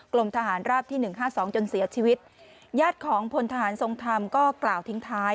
ลมทหารราบที่หนึ่งห้าสองจนเสียชีวิตญาติของพลทหารทรงธรรมก็กล่าวทิ้งท้าย